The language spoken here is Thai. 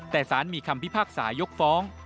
แต่สารมีคำพิพากษายกฟ้อง